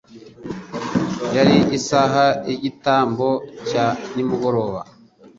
Yari isaha y'igitambo cya nimugora.